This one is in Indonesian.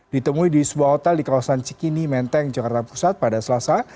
ditemui di sebuah hotel di kawasan cikini menteng jakarta pusat pada selasa